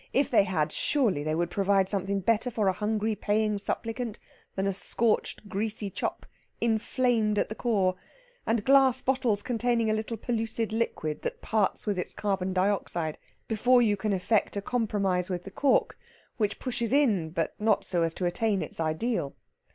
If they had, surely they would provide something better for a hungry paying supplicant than a scorched greasy chop, inflamed at the core, and glass bottles containing a little pellucid liquid that parts with its carbon dioxide before you can effect a compromise with the cork, which pushes in, but not so as to attain its ideal.